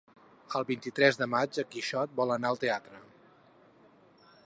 El vint-i-tres de maig en Quixot vol anar al teatre.